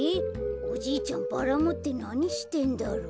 おじいちゃんバラもってなにしてんだろう。